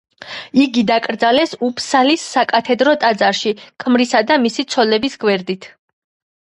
იგი დაკრძალეს უფსალის საკათედრო ტაძარში, ქმრისა და მისი ცოლების გვერდით.